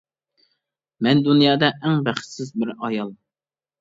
مەن دۇنيادا ئەڭ بەختسىز بىر ئايال.